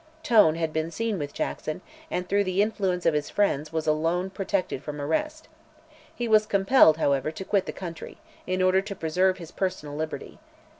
Tone had been seen with Jackson, and through the influence of his friends, was alone protected from arrest. He was compelled, however, to quit the country, in order to preserve his personal liberty.